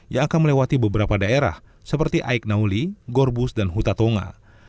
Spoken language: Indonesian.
yang akan melewati beberapa daerah seperti aiknauli gorbus dan huta tonga